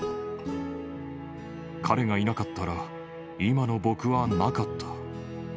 彼がいなかったら、今の僕はなかった。